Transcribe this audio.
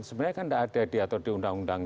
sebenarnya kan tidak ada diatur di undang undang